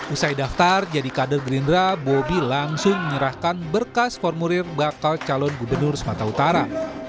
usai daftar jadi kader gerindra bobi langsung menyerahkan berkas formulir bakal calon gubernur sumatera utara